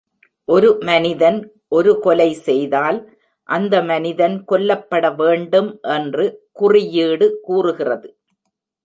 ஒரு மனிதன் ஒரு கொலை செய்தால், அந்த மனிதன் கொல்லப்பட வேண்டும் என்று குறியீடு கூறுகிறது, .